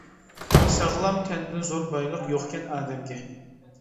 ساغلام تەندىن زور بايلىق يوقكەن ئادەمگە.